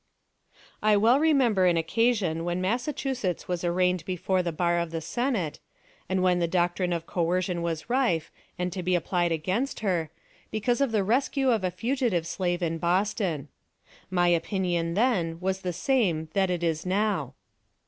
"I well remember an occasion when Massachusetts was arraigned before the bar of the Senate, and when the doctrine of coercion was rife, and to be applied against her, because of the rescue of a fugitive slave in Boston. My opinion then was the same that it is now.